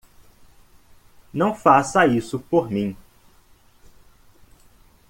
Não faça isso por mim!